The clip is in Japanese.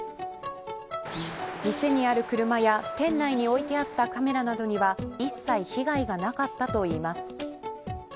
店にある車や店内に置いてあったカメラには一切被害がなかったといいます。